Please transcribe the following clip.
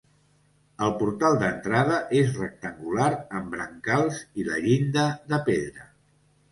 El portal d'entrada és rectangular amb brancals i la llinda de pedra.